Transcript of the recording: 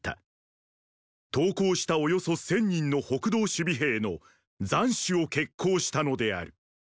投降したおよそ千人の北道守備兵の“斬首”を決行したのである。